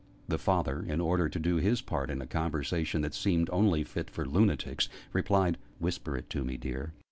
The father, in order to do his part in a conversation that seemed only fit for lunatics, replied "Whisper it to me, dear."